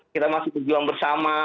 kita masih berjuang bersama